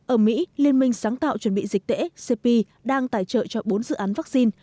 ở mỹ liên minh sáng tạo chuẩn bị dịch tễ cp đang tài trợ cho bốn dự án vaccine